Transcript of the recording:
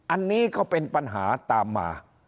อันนี้ก็เป็นปัญหาตามมา